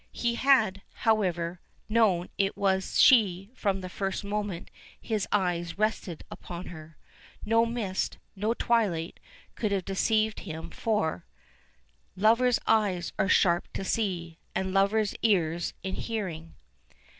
He had, however, known it was she from the first moment his eyes rested upon her. No mist, no twilight could have deceived him, for Lovers' eyes are sharp to see And lovers' ears in hearing."